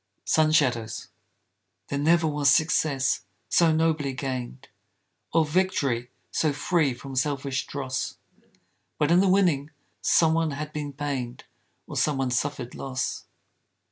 SUN SHADOWS There never was success so nobly gained, Or victory so free from selfish dross, But in the winning some one had been pained Or some one suffered loss.